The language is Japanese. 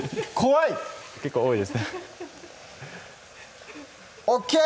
結構多いですねＯＫ！